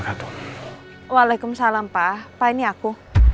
waalaikumsalam pak pak ini aku